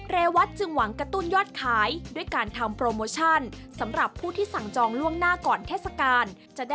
เรวัตรจึงหวังกระตุ้นยอดขายด้วยการทำโปรโมชั่น